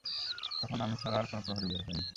তখন আমি ছাড়া আর কোন প্রহরী বের হয়নি।